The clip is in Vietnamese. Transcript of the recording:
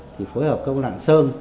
thì phối hợp công lạng sơn